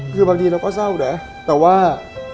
คือบางทีเราก็เศร้านะแต่ว่า